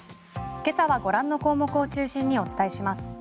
今朝はご覧の項目を中心にお伝えします。